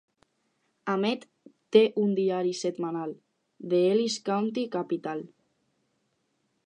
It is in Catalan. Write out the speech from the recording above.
Amett té un diari setmanal: "The Ellis County Capital".